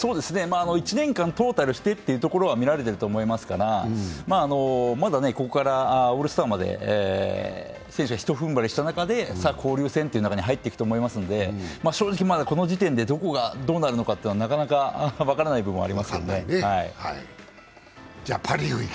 １年間トータルしてっていうところは見られていると思いますからまだここからオールスターまで選手はひと踏ん張りした中で、交流戦という中に入っていくと思いますので、正直まだこの時点で、どこがどうなるのか分からない部分ありますよね。